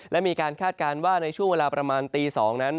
และมีการคาดการณ์ว่าในช่วงเวลาประมาณตี๒นั้น